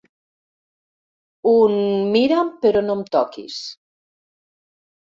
Un mira'm però no em toquis.